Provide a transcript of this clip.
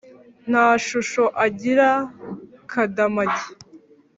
nta shusho agira kadamage